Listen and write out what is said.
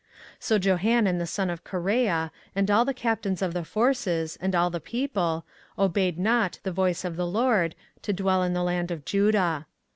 24:043:004 So Johanan the son of Kareah, and all the captains of the forces, and all the people, obeyed not the voice of the LORD, to dwell in the land of Judah.